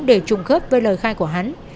để trùng khớp với lời khai của hắn